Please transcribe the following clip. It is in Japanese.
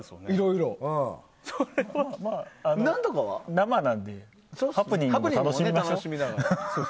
生なのでハプニングを楽しみましょう。